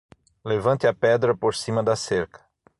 Levante a pedra por cima da cerca.